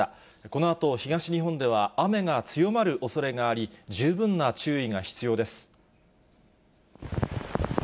このあと、東日本では雨が強まるおそれがあり、十分な注意が必要です。